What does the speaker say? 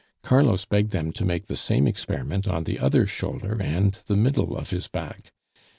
Carlos begged them to make the same experiment on the other shoulder and the middle of his back.